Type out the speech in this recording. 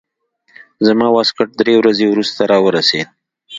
زما واسکټ درې ورځې وروسته راورسېد.